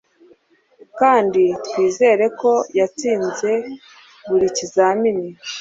Kandi twizere ko yatsinze buri kizamini